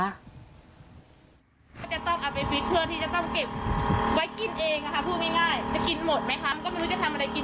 เงินสำรองไม่มีทุนของไว้ปีใหม่เพื่อที่จะได้ขายได้กำไรบ้าง